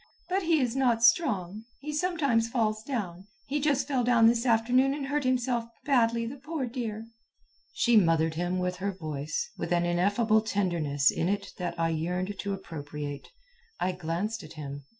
"But he is not strong. He sometimes falls down. He just fell down this afternoon and hurt himself badly, the poor dear." She mothered him with her voice, with an ineffable tenderness in it that I yearned to appropriate. I glanced at him.